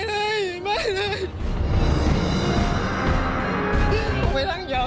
ผมไม่ทั้งเจ้าผมไม่ทั้งเจ้าที่เขาลงโทษให้เขามาหาแล้ว